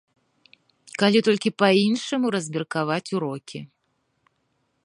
Калі толькі па-іншаму размеркаваць урокі.